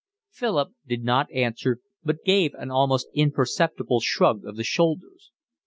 Philip did not answer, but gave an almost imperceptible shrug of the shoulders.